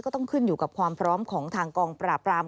ต้องขึ้นอยู่กับความพร้อมของทางกองปราบราม